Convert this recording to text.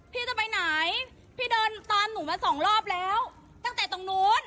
พี่จะไปไหนพี่เดินตามหนูมาสองรอบแล้วตั้งแต่ตรงนู้น